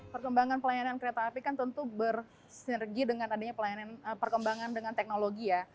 perkembangan pelayanan kereta api kan tentu bersinergi dengan adanya perkembangan dengan teknologi ya